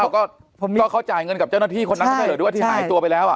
ก็เขาจ่ายเงินกับเจ้าหน้าที่คนนั้นก็ได้เหรอหรือว่าที่หายตัวไปแล้วอ่ะ